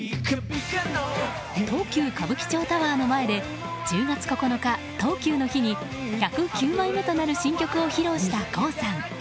東急歌舞伎町タワーの前で１０月９日、東急の日に１０９枚目となる新曲を披露した郷さん。